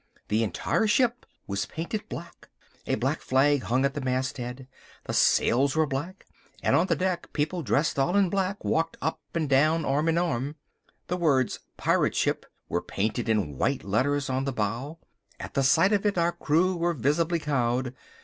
The entire ship was painted black, a black flag hung at the masthead, the sails were black, and on the deck people dressed all in black walked up and down arm in arm. The words "Pirate Ship" were painted in white letters on the bow. At the sight of it our crew were visibly cowed.